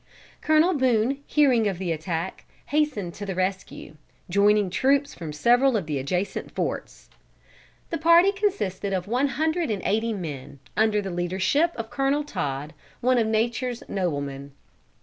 Colonel Boone, hearing of the attack, hastened to the rescue, joining troops from several of the adjacent forts. The party consisted of one hundred and eighty men, under the leadership of Colonel Todd, one of "nature's noblemen."